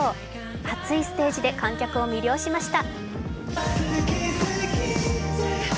熱いステージで観客を魅了しました。